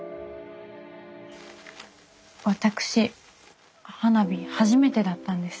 私花火初めてだったんです。